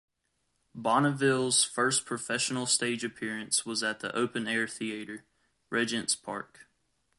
Bonneville's first professional stage appearance was at the Open Air Theatre, Regent's Park.